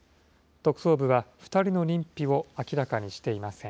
特捜部は２人の認否を明らかにしていません。